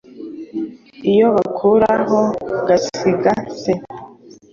iyo bakuraho gasiya se